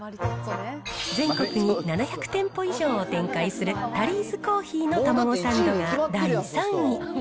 全国に７００店舗以上を展開するタリーズコーヒーのタマゴサンドが第３位。